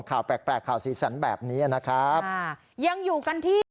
ข่าวแปลกแปลกข่าวสีสันแบบนี้นะครับอ่ายังอยู่กันที่